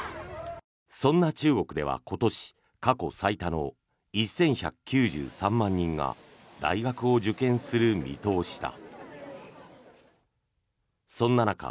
そんな中国では、今年過去最多の１１９３万人が大学を受験する見通しだ。